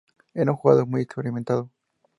Era un jugador muy experimentado.